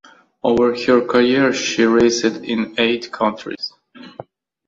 Over her career she raced in eight countries.